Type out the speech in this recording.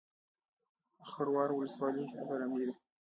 خروار ولسوالۍ غرنۍ ده؟